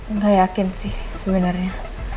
nggak yakin sih sebenernya